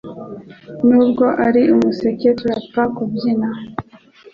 Nubwo ari umuseke turapfa kubyina